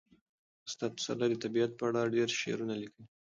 استاد پسرلي د طبیعت په اړه ډېر شعرونه لیکلي.